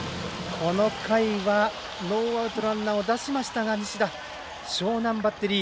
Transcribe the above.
この回はノーアウトランナーを出しましたが西田、樟南バッテリー。